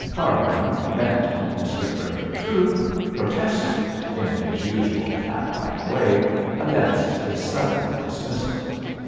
Cargrim bent on discovering the truth protested, in his usual cat like way, against this sudden dismissal.